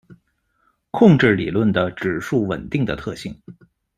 控制理论的指数稳定的特性。